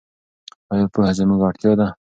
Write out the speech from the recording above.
ایا پوهه زموږ اړتیا ده؟